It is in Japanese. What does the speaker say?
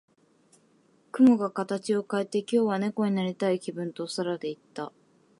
雲が形を変えて、「今日は猫になりたい気分」と空で言った。